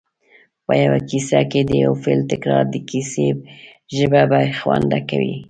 په یوه کیسه کې د یو فعل تکرار د کیسې ژبه بې خونده کوي